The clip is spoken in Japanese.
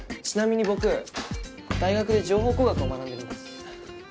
ちなみに僕大学で情報工学を学んでるんです。